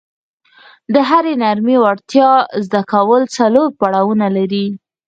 د هرې نرمې وړتیا زده کول څلور پړاونه لري.